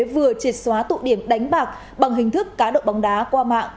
vừa triệt xóa tụ điểm đánh bạc bằng hình thức cá độ bóng đá qua mạng